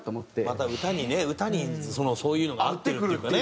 また歌にね歌にそういうのが合ってるっていうかね